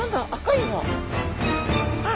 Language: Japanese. あっ！